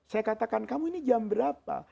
saya katakan kamu ini jam berapa